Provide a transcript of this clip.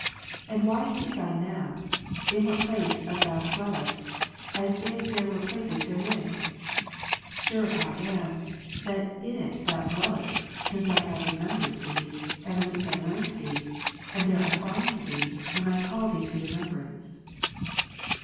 And why seek I now, in j what place thereof Thou dwellest, as if there were places therein ? Sure I am, that in it Thou dwellest, since I have remembered Thee, ever since I learnt Thee, and there I find Thee, when I call Thee to remembrance.